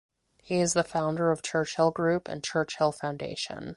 He is the founder of Churchill Group and Churchill Foundation.